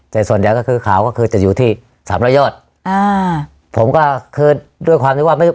แต่ส่วนใหญ่ก็คือข่าวก็คือจะอยู่ที่สามร้อยยอดอ่าผมก็คือด้วยความที่ว่าไม่